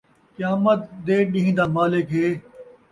قیامت دے ݙین٘ہ دا مالک ہے